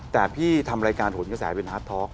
แต่พี่ทำรายการหนกระแสเป็นฮาร์ดท็อก